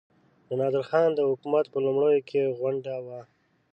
د نادرخان د حکومت په لومړیو کې غونډه وه.